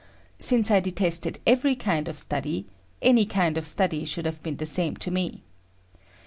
Since I detested every kind of study, any kind of study should have been the same to me.